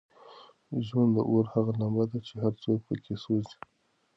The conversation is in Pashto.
ژوند د اور هغه لمبه ده چې هر څوک پکې سوزي.